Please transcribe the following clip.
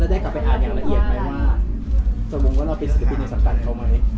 แล้วได้กลับไปอ่านอย่างละเอียดไหมว่าสมมุติว่าเราเป็นศักดิ์ปิดในสัมภัณฑ์เขาไหม